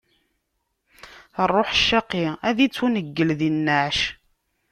Ṛṛuḥ ccaqi, ad ittuneggel di nneɛc.